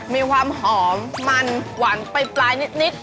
มีความหอมมันหวานไปปลายนิด